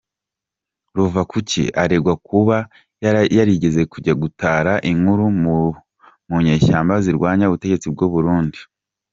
Ruvakuki aregwa kuba yarigeze kujya gutara inkuru mu nyeshyamba zirwanya ubutegetsi bw’u Burundi.